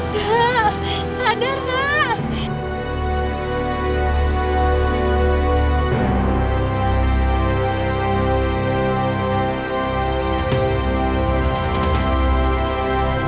tak sadar tak